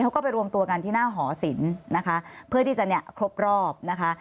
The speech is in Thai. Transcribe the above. เขาก็ไปรวมตัวกันที่หน้าหอศิลป์นะคะเพื่อที่จะเนี่ยครบรอบนะคะ